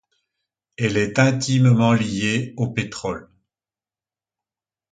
Elle est intimement liée au pétrole.